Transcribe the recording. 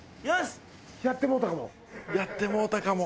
やってもうたかも。